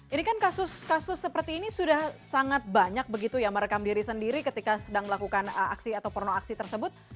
ini kan kasus kasus seperti ini sudah sangat banyak begitu ya merekam diri sendiri ketika sedang melakukan aksi atau porno aksi tersebut